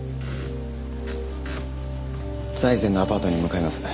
財前のアパートに向かいます。